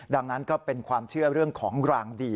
ดังนั้นก็เป็นความเชื่อเรื่องของรางดี